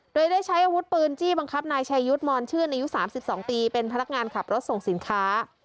โดยได้ใช้อาวุธปืนจี้บังคับนายชายุทธ์มอนชื่นอายุ๓๒ปีเป็นพนักงานขับรถส่งสินค้า